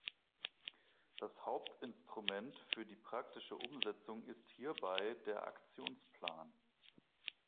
Das Hauptinstrument für die praktische Umsetzung ist hierbei der Aktionsplan.